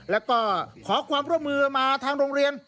แล้วก็ขอความร่วมมือมาทางโรงเรียน